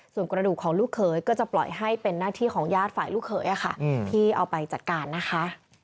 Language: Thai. ส่วนกระดูกของลูกเขยก็จะปล่อยให้เป็นหน้าที่ของญาติฝ่ายลูกเขยที่เอาไปจัดการนะคะ